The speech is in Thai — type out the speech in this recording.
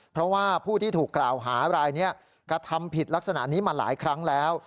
เพราะว่าผู้ที่ถูกกล่าวหารายนี้กระทำผิดลักษณะนี้มาหลายครั้งแล้ว